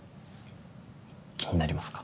気になりますか？